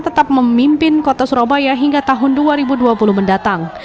tetap memimpin kota surabaya hingga tahun dua ribu dua puluh mendatang